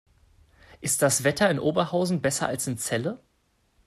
Ist das Wetter in Oberhausen besser als in Celle?